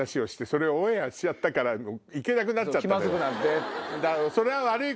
それオンエアしちゃったから行けなくなっちゃったのよ。